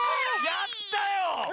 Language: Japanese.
やったよね。